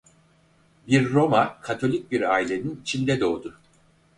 Bir Roma Katolik bir ailenin içinde doğdu.